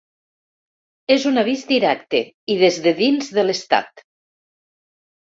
És un avís directe i des de dins de l’estat.